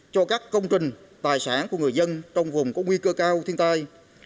cho các công trình tài sản của người dân trong vùng có nguy cơ cao thiên tai